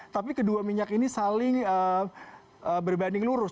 tapi kedua minyak ini saling berbanding lurus